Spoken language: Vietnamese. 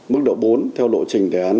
mức độ bốn theo lộ trình đề án